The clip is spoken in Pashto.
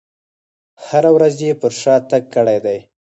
هره ورځ یې پر شا تګ کړی دی.